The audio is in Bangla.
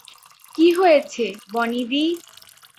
কী হয়েছে, বনিদি?